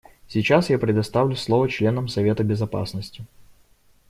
Сейчас я предоставлю слово членам Совета Безопасности.